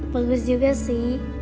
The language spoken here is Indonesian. bagus juga sih